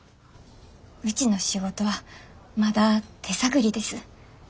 うちの仕事はまだ手探りです。